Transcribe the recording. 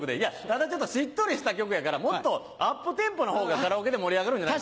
ただちょっとしっとりした曲やからもっとアップテンポなほうがカラオケで盛り上がるんじゃ。